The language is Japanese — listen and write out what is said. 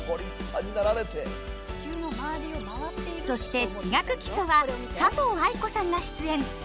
そして「地学基礎」は佐藤藍子さんが出演。